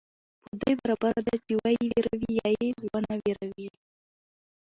په دوى برابره ده چي وئې وېروې يا ئې ونه وېروې